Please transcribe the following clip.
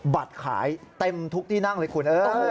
บัตรขายเต็มทุกที่นั่งเลยคุณ